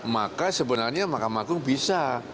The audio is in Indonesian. maka sebenarnya mahkamah agung bisa